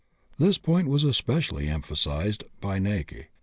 This point was specially emphasized by Näcke (e.